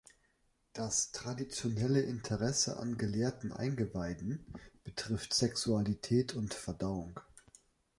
Das traditionelle Interesse an „gelehrten Eingeweiden“ betrifft Sexualität und Verdauung.